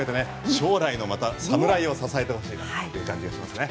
将来の侍を支えてほしいっていう感じがしますね。